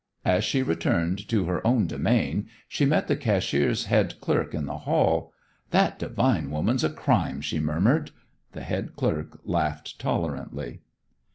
As she returned to her own domain she met the cashier's head clerk in the hall. "That Devine woman's a crime," she murmured. The head clerk laughed tolerantly.